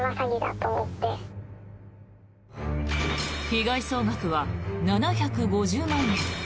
被害総額は７５０万円。